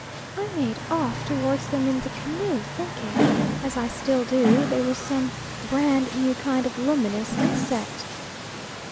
I made off towards them in the canoe, thinking as I still do they were some brand new kind of luminous insect.